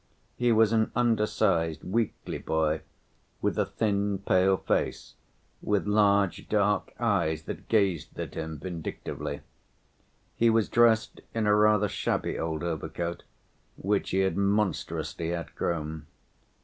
He was an undersized weakly boy with a thin pale face, with large dark eyes that gazed at him vindictively. He was dressed in a rather shabby old overcoat, which he had monstrously outgrown.